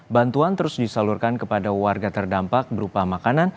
bantuan terus disalurkan kepada warga terdampak berupa makanan